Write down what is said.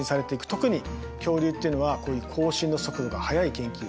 特に恐竜っていうのはこういう更新の速度が速い研究。